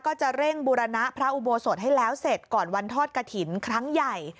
ก็จะเร่งบูรณะพระอุโบสถให้แล้วเสร็จก่อนวันทอดกระถิ่นครั้งใหญ่